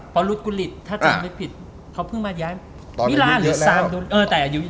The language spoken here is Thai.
พอรุษกุฤษถ้าจำไม่ผิดเขาเพิ่งมาย้ายระยุกต์เยอะแล้ว